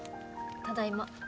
ただいま。